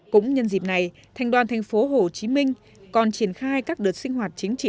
cũng nhân dịp này thành đoàn tp hcm còn triển khai các đợt sinh hoạt chính trị